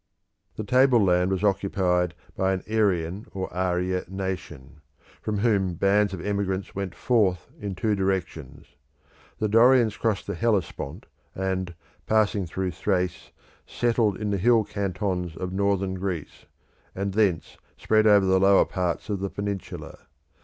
The tableland was occupied by an Aryan or Arya nation, from whom bands of emigrants went forth in two directions. The Dorians crossed the Hellespont, and, passing through Thrace, settled in the hill cantons of Northern Greece, and thence spread over the lower parts of the peninsula.